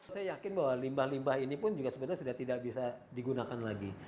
saya yakin bahwa limbah limbah ini pun juga sebenarnya sudah tidak bisa digunakan lagi